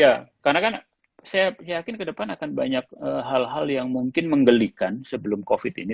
ya karena kan saya yakin ke depan akan banyak hal hal yang mungkin menggelikan sebelum covid ini